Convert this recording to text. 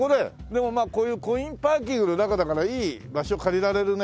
でもまあこういうコインパーキングの中だからいい場所借りられるね。